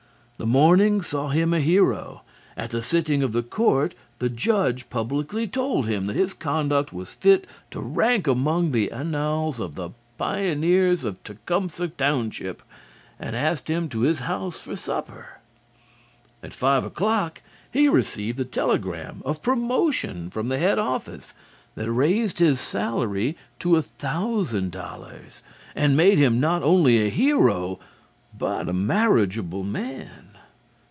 The morning saw him a hero. At the sitting of the court, the judge publicly told him that his conduct was fit to rank among the annals of the pioneers of Tecumseh Township, and asked him to his house for supper. At five o'clock he received the telegram of promotion from the head office that raised his salary to a thousand dollars, and made him not only a hero but a marriageable man.